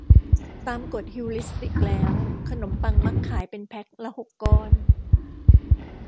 ตามกฏฮิวริสติกแล้วขนมปังมักขายเป็นแพคละหกก้อน